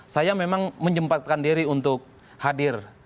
saya memang menyempatkan diri untuk hadir